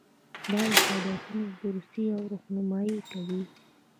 دا د فعالیتونو بررسي او رهنمایي کوي.